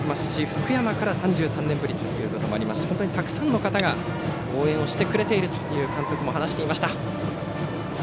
福山から３３年ぶりということもありまして本当にたくさんの方が応援してくれていると監督も話していました。